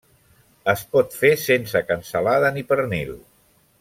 Es pot fer sense cansalada ni pernil.